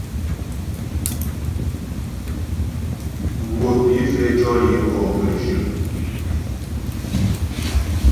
Gwə̀ ké fɛ jɔ yəbɔ mə́jyə.